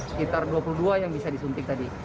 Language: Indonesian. sekitar dua puluh dua yang bisa disuntik tadi